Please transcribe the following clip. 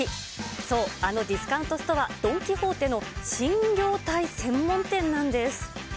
そう、あのディスカウントストア、ドン・キホーテの新業態専門店なんです。